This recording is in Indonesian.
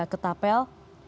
menganggur ke tapel